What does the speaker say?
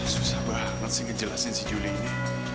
susah banget sih ngejelasin si juli ini